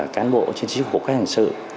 cán bộ trên sức khổ các hình sự